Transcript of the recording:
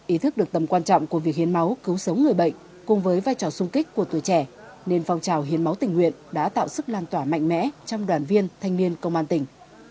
ý thức được tầm quan trọng của việc hiến máu cứu sống người bệnh cùng với vai trò sung kích của tuổi trẻ nên phong trào hiến máu tình nguyện đã tạo sức lan tỏa mạnh mẽ trong đoàn viên thanh niên công an tỉnh